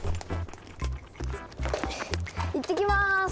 いってきます！